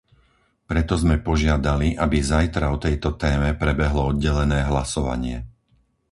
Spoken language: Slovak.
Preto sme požiadali, aby zajtra o tejto téme prebehlo oddelené hlasovanie.